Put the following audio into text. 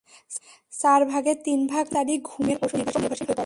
চার ভাগের তিন ভাগ মহাকাশচারীই ঘুমের ওষুধের ওপর নির্ভরশীল হয়ে পড়েন।